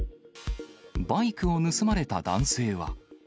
バイクを盗まれた男性は。